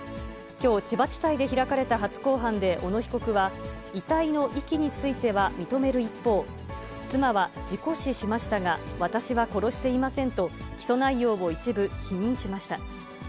きょう、千葉地裁で開かれた初公判で、小野被告は、遺体の遺棄については認める一方、妻は事故死しましたが、私は殺していませんと、起訴内容を一部否認しました。